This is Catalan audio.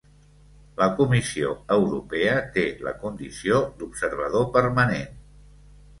La Comissió Europea té la condició d'observador permanent.